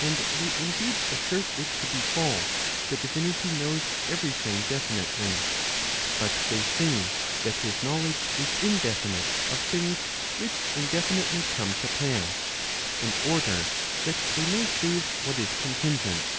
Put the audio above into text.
And they indeed assert it to be false that divinity knows every thing definitely; but they say that his knowledge is indefinite of things which indefinitely come to pass, in order that they may save what is contingent.